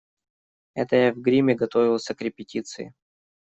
Это я в гриме готовился к репетиции.